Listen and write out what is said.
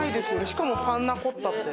しかもパンナコッタって。